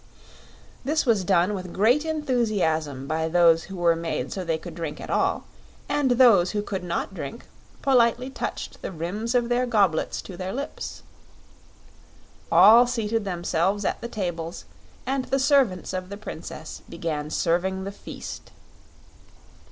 This was done with great enthusiasm by those who were made so they could drink at all, and those who could not drink politely touched the rims of their goblets to their lips. All seated themselves at the tables and the servants of the Princess began serving the feast.